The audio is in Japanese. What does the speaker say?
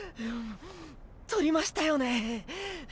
獲りましたよね？